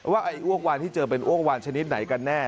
ไอ้อ้วกวานที่เจอเป็นอ้วกวานชนิดไหนกันแน่